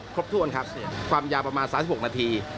ครบถ้วนครับความยาประมาณสามสิบหกนาที